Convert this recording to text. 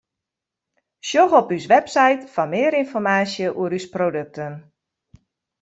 Sjoch op ús website foar mear ynformaasje oer ús produkten.